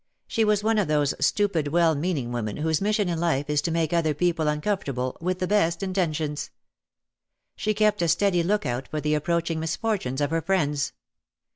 She was one of those stupid well meaning women whose mission in life is to make other people uncom fortable — with the best intentions. She kept a steady look out for the approaching misfortunes of her friends.